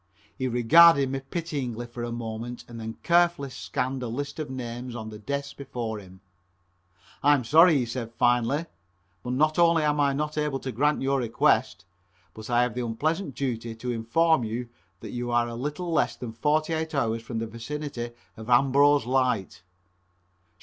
He regarded me pityingly for a moment and then carefully scanned a list of names on the desk before him. "I am sorry," he said finally, "but not only am I not able to grant your request, but I have the unpleasant duty to inform you that you are a little less than forty eight hours from the vicinity of Ambrose light."